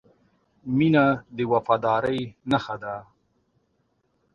• مینه د وفادارۍ نښه ده.